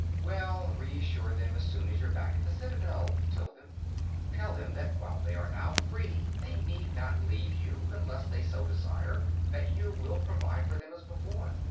"Well, reassure them, as soon as you're back at the Citadel," he told them. "Tell them that while they are now free, they need not leave you unless they so desire; that you will provide for them as before."